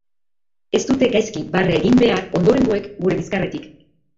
Ez dute gaizki barre egin behar ondorengoek gure bizkarretik!